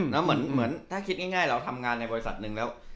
แล้วเหมือนถ้าคิดง่ายเราทำงานในบริษัทหนึ่งแล้ว